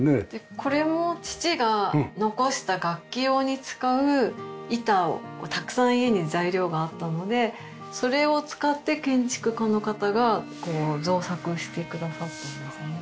これも父が残した楽器用に使う板をたくさん家に材料があったのでそれを使って建築家の方が造作してくださったんですね。